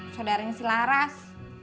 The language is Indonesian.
saudaranya si laras